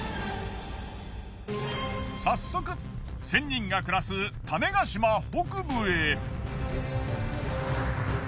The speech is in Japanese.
早速仙人が暮らす種子島北部へ。